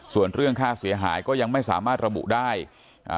ส่วนเรื่องค่าเสียหายก็ยังไม่สามารถระบุได้อ่า